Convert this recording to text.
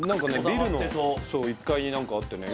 ビルの１階に何かあってね